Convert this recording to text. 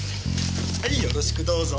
はいよろしくどうぞ！